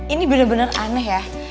ini bener bener aneh ya